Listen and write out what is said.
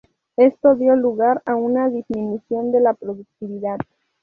Esto dio lugar a una disminución de la productividad.